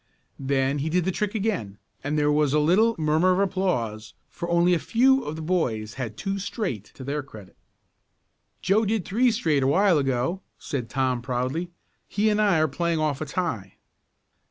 Then he did the trick again, and there was a little murmur of applause, for only a few of the boys had "two straight" to their credit. "Joe did three straight a while ago," said Tom proudly. "He and I are playing off a tie."